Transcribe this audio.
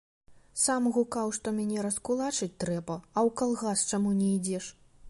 Сам гукаў, што мяне раскулачыць трэба, а ў калгас чаму не ідзеш?